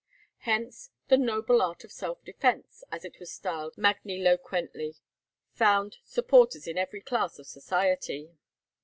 Hence the "noble art of self defence," as it was styled magniloquently, found supporters in every class of society.